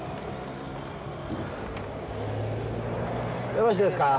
よろしいですか？